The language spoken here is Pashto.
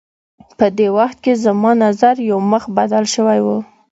په دې وخت کې زما نظر یو مخ بدل شوی و.